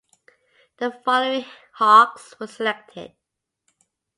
The following Hawks were selected.